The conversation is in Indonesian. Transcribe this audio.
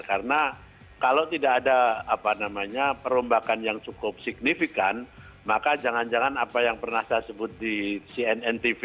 karena kalau tidak ada perombakan yang cukup signifikan maka jangan jangan apa yang pernah saya sebut di cnn tv